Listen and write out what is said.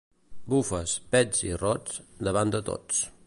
Bufes, pets i rots, davant de tots.